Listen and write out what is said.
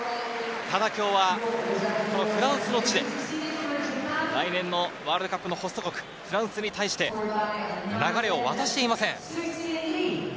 ただ今日はフランスの地で来年のワールドカップのホスト国、フランスに対して、流れを渡していません。